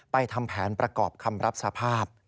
ทำแผนประกอบคำรับสภาพ